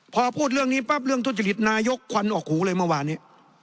พอพูดเรื่องนี้ปั๊บเรื่องทุจริตนายกควันออกหูเลยเมื่อวานนี้